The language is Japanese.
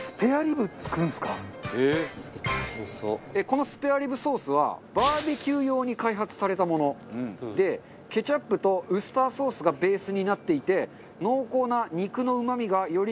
このスペアリブソースはバーベキュー用に開発されたものでケチャップとウスターソースがベースになっていて濃厚な肉のうまみがより引き立つよう